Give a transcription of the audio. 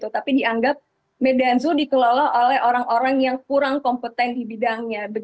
tapi dianggap medan zoo dikelola oleh orang orang yang kurang kompeten di bidangnya